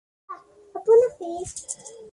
افغانستان تر هغو نه ابادیږي، ترڅو جبري ودونه بند نشي.